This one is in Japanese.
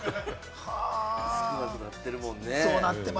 少なくなってるもんね。